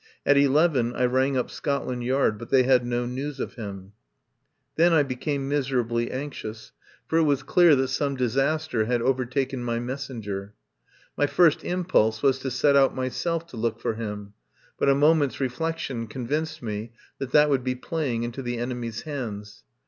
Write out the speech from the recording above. At eleven I rang up Scotland Yard, but they had no news of him. Then I became miserably anxious, for it 1 66 I FIND SANCTUARY was clear that some disaster had overtaken my messenger. My first impulse was to set out myself to look for him, but a moment's re flection convinced me that that would be play ing into the enemy's hands.